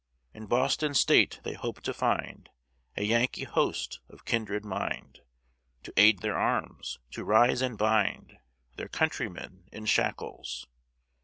In Boston state they hope to find A Yankee host of kindred mind, To aid their arms, to rise and bind Their countrymen in shackles.